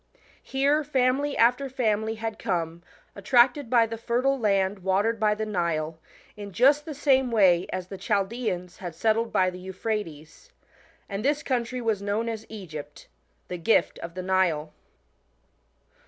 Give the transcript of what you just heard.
Here family after family had come, attracted by the fertile land watered by the Nile, in just the same way as tbe Chaldeans had settled by the Euphrates. And this country was known as Egypt the gift of the Nile.